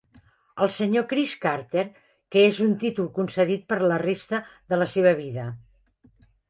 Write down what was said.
El Sr. Chris Carter, que és un títol concedit per a la resta de la seva vida.